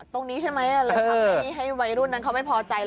ตรงนี้ใช่ไหมเลยทำให้วัยรุ่นนั้นเขาไม่พอใจ